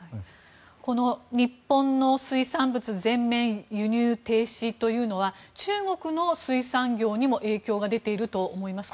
この日本の水産物全面輸入停止というのは中国の水産業にも影響が出ていると思いますか？